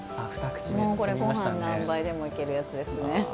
これ、ごはん何杯でもいけるやつですね。